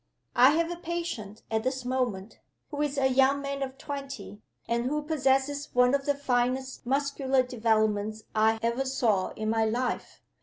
I have a patient at this moment, who is a young man of twenty, and who possesses one of the finest muscular developments I ever saw in my life.